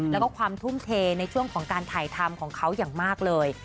แล้วก็ความทุ่มเทในช่วงของการถ่ายทำของเขาอย่างมากเลย